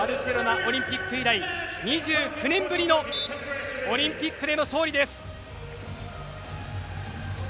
オリンピック以来２９年ぶりのオリンピックでの勝利です。